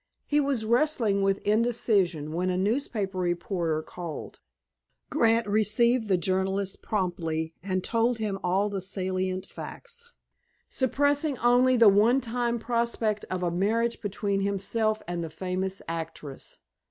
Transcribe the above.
He was wrestling with indecision when a newspaper reporter called. Grant received the journalist promptly, and told him all the salient facts, suppressing only the one time prospect of a marriage between himself and the famous actress.